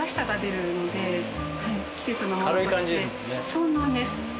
そうなんです。